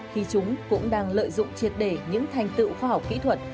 khi chúng cũng đang lợi dụng triệt để những thành tựu khoa học kỹ thuật